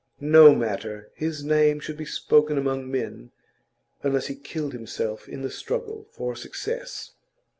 No matter; his name should be spoken among men unless he killed himself in the struggle for success.